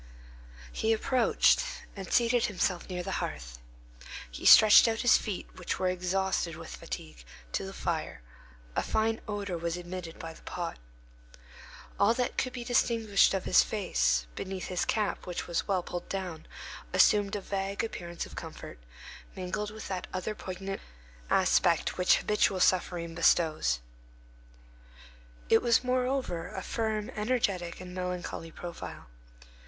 He approached and seated himself near the hearth. He stretched out his feet, which were exhausted with fatigue, to the fire; a fine odor was emitted by the pot. All that could be distinguished of his face, beneath his cap, which was well pulled down, assumed a vague appearance of comfort, mingled with that other poignant aspect which habitual suffering bestows. It was, moreover, a firm, energetic, and melancholy profile.